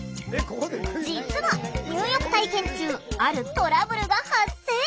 実は入浴体験中あるトラブルが発生！